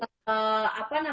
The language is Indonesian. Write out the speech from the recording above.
apa namanya di forcear gitu